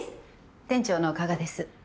店長の加賀です。